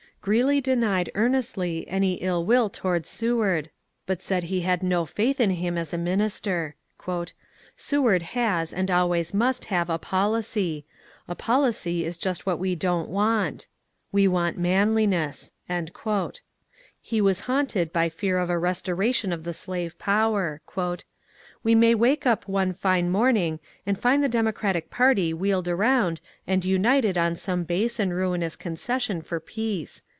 Greeley denied earnestly any ill will toward Seward, but said he had no faith in him as a minister. "Seward has and always must have a policy ; a policy is just what we don't want. We want manliness." He was haunted by fear of a restoration of the slave power. " We may wake up some fine morning and find the Democratic party wheeled around and united on some base and ruinous concession for peace."